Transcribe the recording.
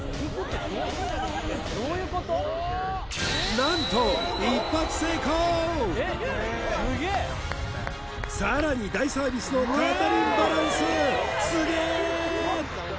何とさらに大サービスの片輪バランスすげえ！